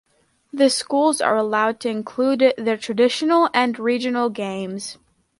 The schools are also allowed to include their traditional and regional games.